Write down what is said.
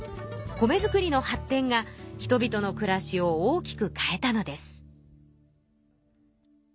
米作りの発展が人々の暮らしを大きく変えたのです。